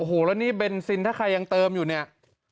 โอ้โหแล้วนี่เบนซินถ้าใครยังเติมอยู่เนี่ย